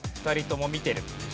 ２人とも見てる。